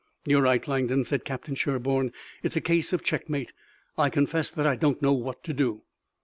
"You're right, Langdon," said Captain Sherburne, "It's a case of checkmate. I confess that I don't know what to do."